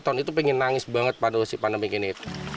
saya tuh pengen nangis banget pada si pandemik ini